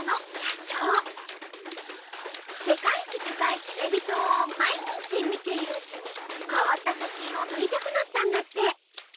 世界一高いテレビ塔を毎日見ているうちに変わった写真を撮りたくなったんだって。